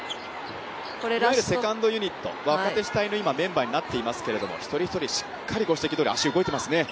いわゆるセカンドユニット若手主体のメンバーになっていますが一人一人しっかり足動いてますね。